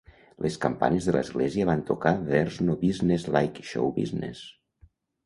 Les campanes de l'església van tocar "There's No Business Like Show Business".